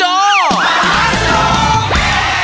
เร็ว